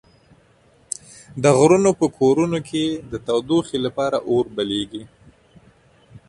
د غرونو په کورونو کې د تودوخې لپاره اور بليږي.